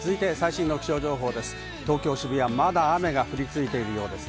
続いて最新の気象情報です。